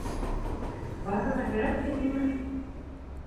Барырға кәрәк тиһеңме?